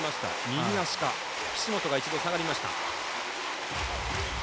岸本が一度下がりました。